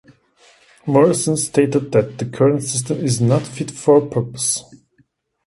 Morrison stated that the current system is "not fit for purpose".